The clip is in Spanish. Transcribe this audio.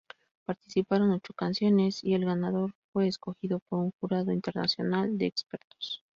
Participaron ocho canciones y el ganador fue escogido por un jurado internacional de "expertos".